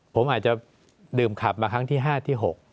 ผมอาจจะดื่มขับมาครั้งที่๕ที่๖